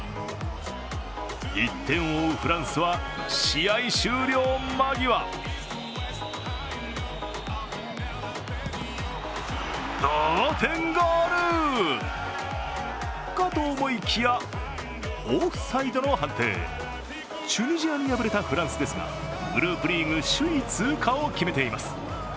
１点を追うフランスは、試合終了間際同点ゴール！かと思いきやオフサイドの判定、チュニジアに敗れたフランスですがグループリーグ首位通過を決めています。